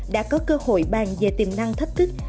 đã có cơ hội bàn về tiềm năng thách thức